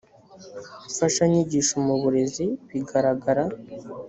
mfashanyigisho mu burezi bigaragara